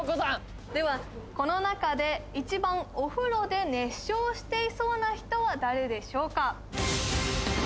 ではこの中で１番お風呂で熱唱していそうな人は誰でしょうか？